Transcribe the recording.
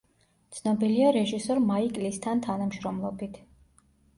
ცნობილია რეჟისორ მაიკ ლისთან თანამშრომლობით.